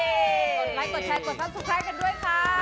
กดไลค์กดแชร์กดไลค์สุดแปลกกันด้วยค่ะ